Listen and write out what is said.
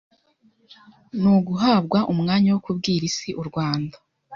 ni uguhabwa umwanya wo kubwira Isi u Rwanda